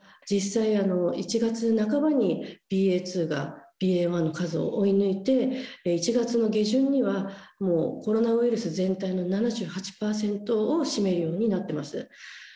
実際、１月半ばにＢＡ．２がＢＡ．１の数を追い抜いて、１月下旬にはもうコロナウイルスの７８％全体を占めるようになってます。